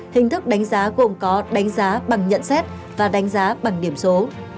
hình thức đánh giá gồm có đánh giá bằng nhận xét và đánh giá bằng điểm số